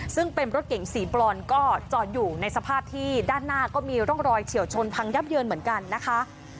ซึ่งเป็นรถเก่งสีบรอนก็จอดอยู่ในสภาพที่ด้านหน้าก็มีร่องรอยเฉียวชนพังยับเยินเหมือนกันนะคะ